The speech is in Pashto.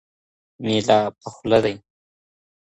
مي لا په خوله دي